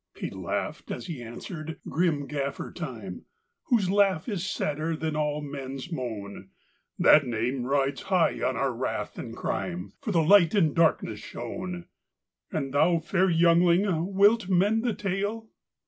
He laughed as he answered, grim Gaffer Time, Whose laugh is sadder than all men s moan. " That name rides high on our wrath and crime, For the Light in darkness shone. " And thou, fair youngling, wilt mend the tale?